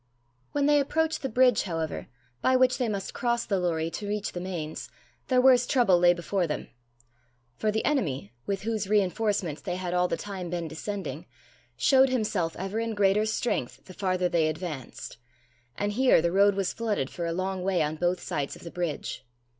When they approached the bridge, however, by which they must cross the Lorrie to reach the Mains, their worst trouble lay before them. For the enemy, with whose reinforcements they had all the time been descending, showed himself ever in greater strength the farther they advanced; and here the road was flooded for a long way on both sides of the bridge.